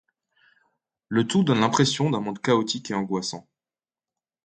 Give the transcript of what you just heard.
Le tout donne l'impression d’un monde chaotique et angoissant.